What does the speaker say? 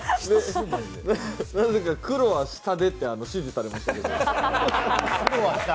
なぜか黒は下でって指示されましたけれども。